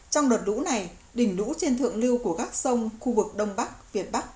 trong đợt lũ này đỉnh lũ trên thượng lưu của các sông khu vực đông bắc việt bắc